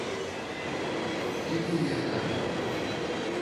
Дзіку я не трэба.